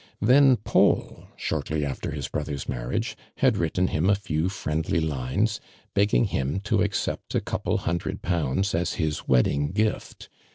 Then Paul, shortly after his brother's marriage, had written him a few friendly Fines Legging him to accept a couple hundred pounds as his wedding gift.